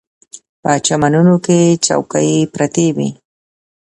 په چمنونو کې چوکۍ پرتې وې.